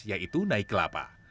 yaitu naik kelapa